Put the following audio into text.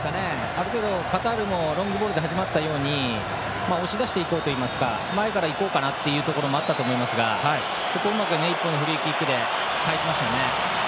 ある程度カタールのロングボールで始まったように押し出していこうといいますか前から行こうかなというところもあったと思いますがそこをうまく１本のフリーキックで返しましたよね。